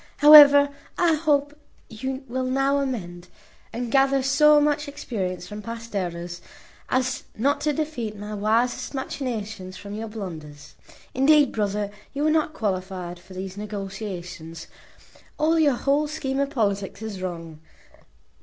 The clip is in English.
However, I hope you will now amend, and gather so much experience from past errors, as not to defeat my wisest machinations by your blunders. Indeed, brother, you are not qualified for these negociations. All your whole scheme of politics is wrong.